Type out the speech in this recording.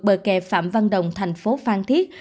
bờ kè phạm văn đồng thành phố phan thiết